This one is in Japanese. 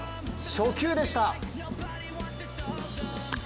初球でした。